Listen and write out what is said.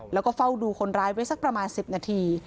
แล้วก็เฝ้าดูคนร้ายไว้สักประมาณ๑๐นาที